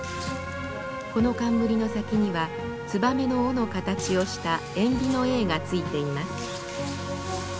この冠の先にはツバメの尾の形をしたえん尾がついています。